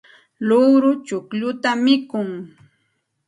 luuru chuqlluta mikun.